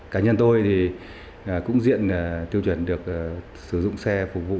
cả nhân tôi cũng diện tiêu chuẩn được sử dụng xe phục vụ